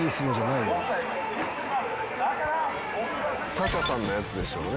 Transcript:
他社さんのやつでしょうね。